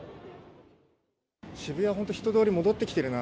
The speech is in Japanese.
渋谷は本当、人通り、戻ってきてるな。